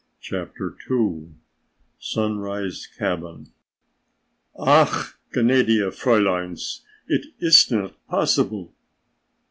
CHAPTER II "Sunrise Cabin" "Ach, gnädige Fräuleins, it ist not possible."